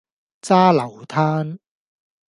揸流灘